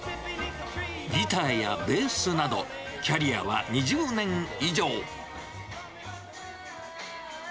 ギターやベースなど、キャリアは２０年以上。